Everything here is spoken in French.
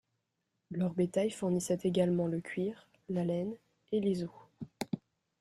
Leur bétail fournissait également le cuir, la laine et les os.